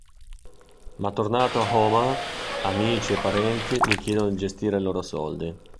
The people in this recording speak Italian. Ma tornato ad Omaha, amici e parenti gli chiedono di gestire i loro soldi.